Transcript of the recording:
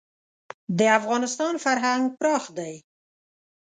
د افغانستان فرهنګ پراخ دی.